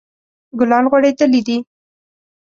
ګلان غوړیدلی دي